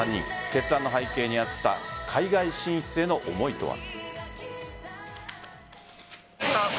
決断の背景にあった海外進出への思いとは。